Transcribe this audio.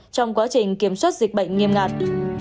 trong quá trình kiểm soát dịch bệnh nghiêm ngặt